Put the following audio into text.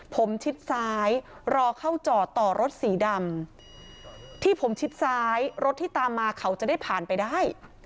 ผมชิดซ้ายรอเข้าจอดต่อรถสีดำที่ผมชิดซ้ายรถที่ตามมาเขาจะได้ผ่านไปได้